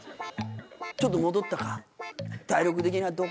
ちょっと戻ったか？」。